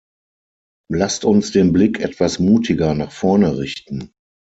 Lasst uns den Blick etwas mutiger nach vorne richten.